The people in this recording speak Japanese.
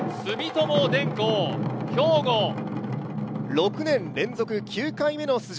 ６年連続９回目の出場。